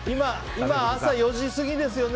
今、朝４時過ぎですよね